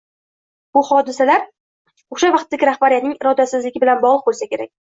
Bo hodisalar oʻsha vaqtdagi rahbariyatning irodasizligi bilan bogʻliq boʻlsa kerak.